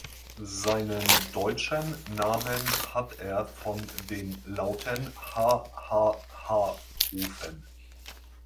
Seinen deutschen Namen hat er von den lauten „ha ha ha“-Rufen.